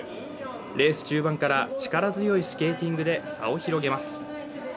レース中盤から力強いスケーティングで差を広げます。